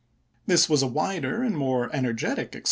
This was a wider and more energetic ex June, ism.